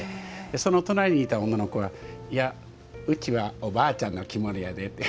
その隣にいた女の子がいやうちはおばあちゃんの着物やでって。